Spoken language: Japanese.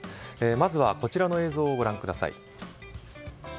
まずはこちらの映像をご覧ください。